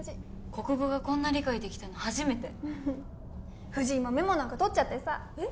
国語がこんな理解できたの初めて藤井もメモなんか取っちゃってさえっ？